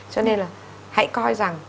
cho nên là hãy coi rằng